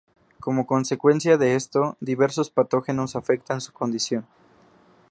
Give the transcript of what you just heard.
Como consecuencia de esto, diversos patógenos afectan su condición.